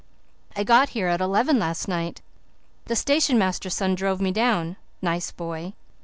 I got here at eleven last night the station master's son drove me down. Nice boy.